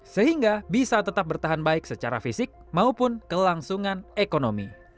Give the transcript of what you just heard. sehingga bisa tetap bertahan baik secara fisik maupun kelangsungan ekonomi